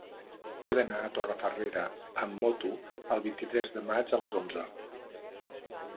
He d'anar a Torrefarrera amb moto el vint-i-tres de maig a les onze.